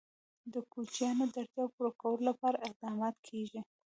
د کوچیانو د اړتیاوو پوره کولو لپاره اقدامات کېږي.